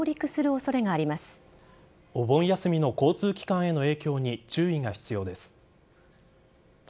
お盆休みの交通機関への影響に注意が必要です。